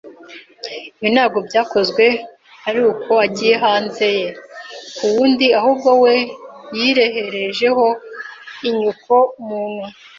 Ibi ntabwo byakozwe ari uko agiye hanze ye ku wundi ahubwo we yireherejeho inyoko muntu